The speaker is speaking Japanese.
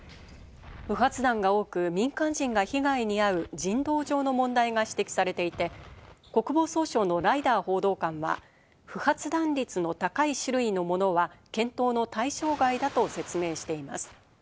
不発弾が多く、民間人が被害に遭う人道上の問題が指摘されていて、国防総省のライダー報道官は不発弾率の高い種類のものは検討の対象外だと説明しています。